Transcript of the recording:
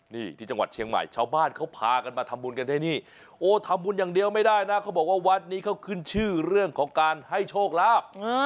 นี่ที่จังหวัดเชียงใหม่ชาวบ้านเขาพากันมาทำบุญกันที่นี่โอ้ทำบุญอย่างเดียวไม่ได้นะเขาบอกว่าวัดนี้เขาขึ้นชื่อเรื่องของการให้โชคลาภ